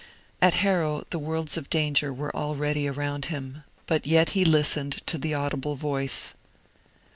At Harrow the worlds of danger were already around him; but yet he listened to the audible voice.